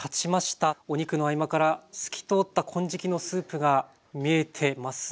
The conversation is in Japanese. お肉の合間から透き通った金色のスープが見えてますね。